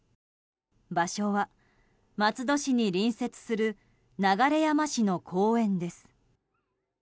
場所は、松戸市に隣接する流山市の公園です。